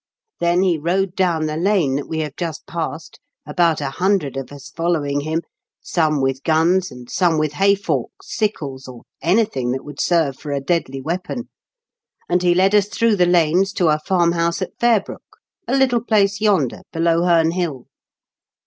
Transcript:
Then he rode down the lane that we have just passed, about a hundred of us following him — some with guns, and some with hay forks, sickles, or anything that would serve for a deadly weapon ; and he led us through the lanes to a farm house at Fairbrook, a little place yonder, below Heme Hill.